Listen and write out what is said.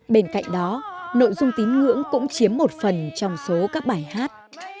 bên cạnh đó nội dung tín ngưỡng cũng chiếm một phần trong số các bài hát